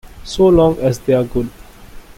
So long as they're good.